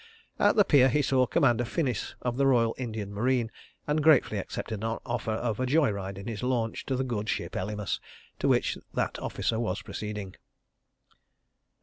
At the pier he saw Commander Finnis, of the Royal Indian Marine, and gratefully accepted an offer of a joy ride in his launch to the good ship Elymas, to which that officer was proceeding.